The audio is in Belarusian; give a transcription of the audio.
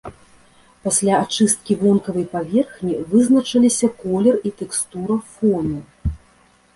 Пасля ачысткі вонкавай паверхні вызначаліся колер і тэкстура фону.